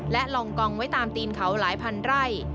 และลองกองไว้ตามตีนเขาหลายพันไร่